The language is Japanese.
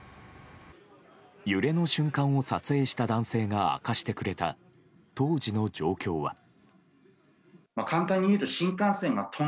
揺れの瞬間を撮影した男性が明かしてくれた当時の状況は。